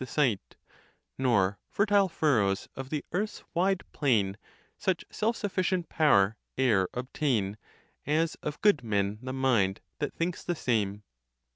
479 Nor fertile furrows of the earth's wide plain Such self sufficient power e'er obtain, \ As of good men the mind, that thinks the same.!